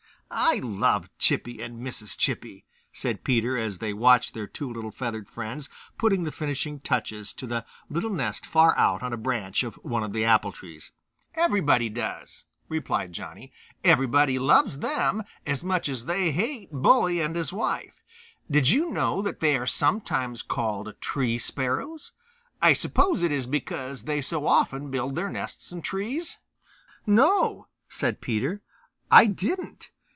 "I just love Chippy and Mrs. Chippy," said Peter, as they watched their two little feathered friends putting the finishing touches to the little nest far out on a branch of one of the apple trees. "Everybody does," replied Johnny. "Everybody loves them as much as they hate Bully and his wife. Did you know that they are sometimes called Tree Sparrows? I suppose it is because they so often build their nests in trees?" "No," said Peter, "I didn't.